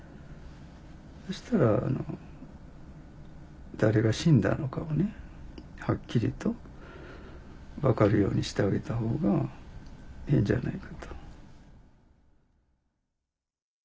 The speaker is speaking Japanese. そしたら誰が死んだのかをはっきりと分かるようにしてあげたほうがいいんじゃないかと。